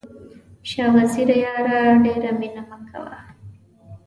شاه وزیره یاره ډېره مینه مه کوه.